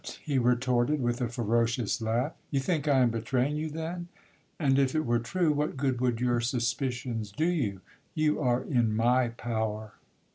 he retorted, with a ferocious laugh, 'you think I am betraying you, then; and if it were true, what good would your suspicions do you,—you are in my power?